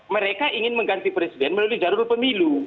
mereka ingin mengganti presiden melalui jalur pemilu